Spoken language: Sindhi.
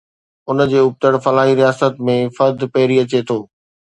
ان جي ابتڙ، فلاحي رياست ۾، فرد پهرين اچي ٿو.